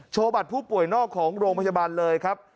บัตรผู้ป่วยนอกของโรงพยาบาลเลยครับ